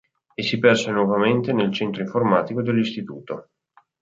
E si perse nuovamente nel centro informatico dell'istituto.